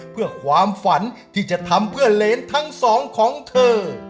เพื่อความฝันที่จะทำเพื่อเลนทั้งสองของเธอ